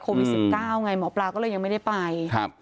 โควิด๑๙ไงหมอปลาก็เลยยังไม่ได้ไปครับ